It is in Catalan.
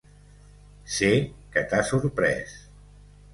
Sé que t'ha sorprès.